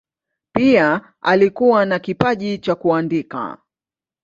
Pia alikuwa na kipaji cha kuandika.